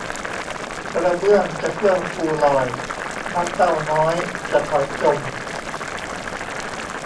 กระเบื้องจะเฟื่องฟูลอย น้ำเต้าน้อยจะถอยจม